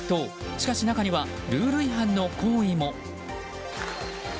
しかし、中にはルール違反の行為も。